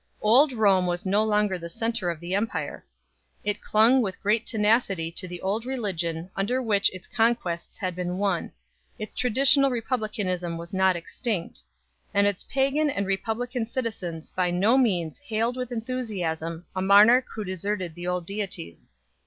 Old Rome was no longer the centre of the empire. It clung with great tenacity to the old religion under which its conquests had been won; its traditional republicanism was not extinct ; and its pagan and repub lican citizens by no means hailed with enthusiasm a monarch who deserted the old deities 2